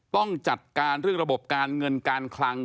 ต้องจัดการเรื่องระบบการเงินการคลัง